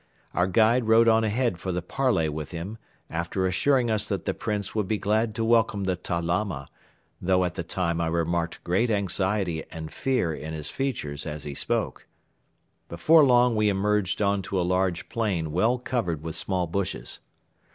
Our guide rode on ahead for the parley with him after assuring us that the Prince would be glad to welcome the Ta Lama, though at the time I remarked great anxiety and fear in his features as he spoke. Before long we emerged on to a large plain well covered with small bushes.